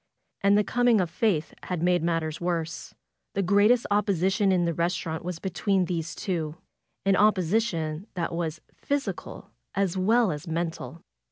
And the coming of Faith had made matters worse. The greatest opposi tion in the restaurant was between these two ; an oppo sition that was physical as well as mental.